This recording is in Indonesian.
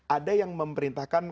ada yang memerintahkan